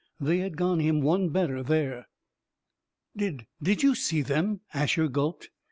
They had gone him one better there. "Did did you see them?" Asher gulped.